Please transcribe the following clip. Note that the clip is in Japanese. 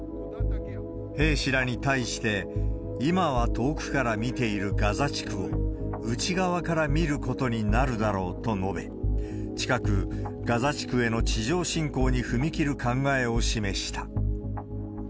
兵士らに対して、今は遠くから見ているガザ地区を、内側から見ることになるだろうと述べ、近く、ガザ地区への地上侵攻に踏み切る考えを示した。